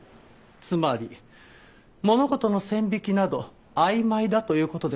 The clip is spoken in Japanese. つまり物事の線引きなど曖昧だという事でございます。